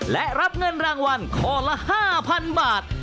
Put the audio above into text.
และรับเงินรางวัลข้อละ๕๐๐๐บาท